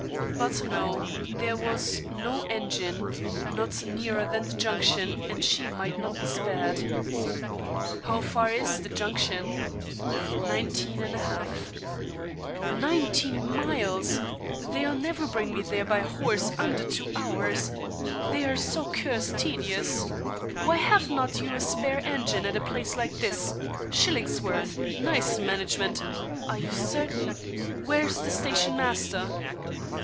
But, no, there was 'no engine not nearer than the junction, and she might not be spared.' 'How far is the junction?' 'Nineteen and a half.' 'Nineteen miles! They'll never bring me there, by horse, under two hours, they are so cursed tedious. Why have not you a spare engine at a place like this? Shillingsworth! Nice management! Are you certain? Where's the station master?'